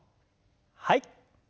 はい。